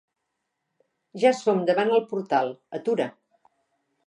Ja som davant el portal: atura.